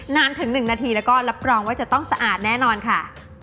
นานถึง๑นาทีแล้วก็รับรองว่าจะต้องสะอาดแน่นอนค่ะ